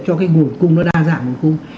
cho cái nguồn cung nó ra giảm nguồn cung